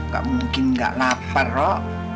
gak mungkin gak lapar rok